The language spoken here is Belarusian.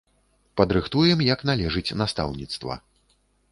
Падрыхтуем як належыць настаўніцтва.